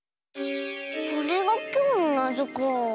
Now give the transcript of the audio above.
これがきょうのなぞか。